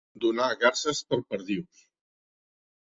Donar garses per perdius.